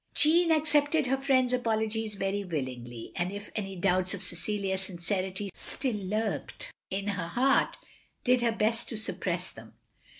" Jeanne accepted her friend's apologies very willingly; and if any doubts of Cecilia's sincerity still lurked in her heart, did her best to suppress them.